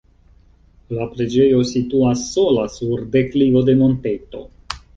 La preĝejo situas sola sur deklivo de monteto.